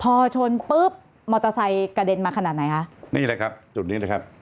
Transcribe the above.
พอชนปุ๊บมอเตอร์ไซค์กระเด็นมาขนาดไหนคะนี่แหละครับจุดนี้เลยครับ